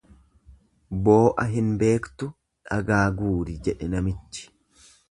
Boo'a hin beektu dhagaa guuri jedhe namichi.